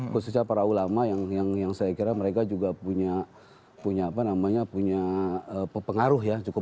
khususnya para ulama yang saya kira mereka juga punya pengaruh cukup besar di jokowi